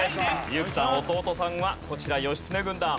有輝さん弟さんはこちら義経軍団。